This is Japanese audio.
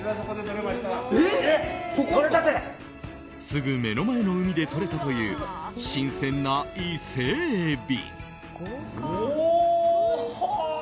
すぐ目の前の海でとれたという新鮮な伊勢エビ。